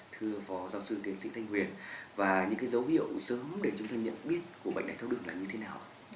thưa phó giáo sư tiến sĩ thanh huyền và những dấu hiệu sớm để chúng ta nhận biết của bệnh đáy tháo đường là như thế nào